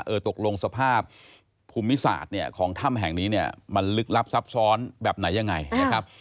ตกลงสภาพภูมิศาสตร์เนี่ยของถ้ำแห่งนี้เนี่ยมันลึกลับซับซ้อนแบบไหนยังไงนะครับ